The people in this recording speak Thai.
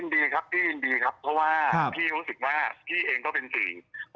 ดีครับพี่ยินดีครับเพราะว่าพี่รู้สึกว่าพี่เองก็เป็นจริง